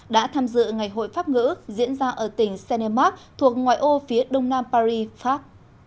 đã tham dự ngày hội pháp ngữ diễn ra ở tỉnh senemark thuộc ngoại ô phía đông nam paris pháp